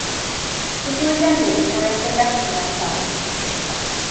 Nid yw ei ddefnydd yn cael ei argymell ar gyfer plant.